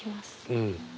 うん。